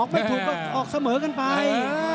ไม่ถูกก็ออกเสมอกันไป